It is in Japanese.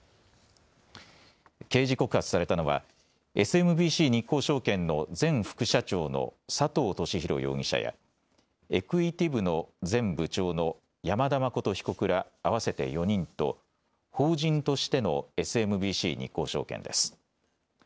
刑事告発されたのはＳＭＢＣ日興証券の前副社長の佐藤俊弘容疑者やエクイティ部の前部長の山田誠被告ら合わせて４人と法人としてのＳＭＢＣ日興証券です。